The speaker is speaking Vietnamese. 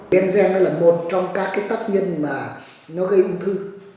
benzene là một trong các tất nhân gây ung thư